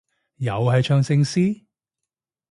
又係唱聖詩？